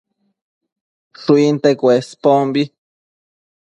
Shuinte Cuespombi